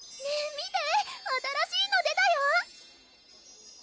見て新しいの出たよ！